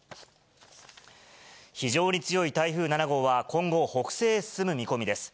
非常に強い台風７号は、今後、北西へ進む見込みです。